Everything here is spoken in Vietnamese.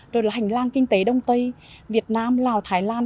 rồi là hành lang kinh tế đông tây việt nam lào thái lan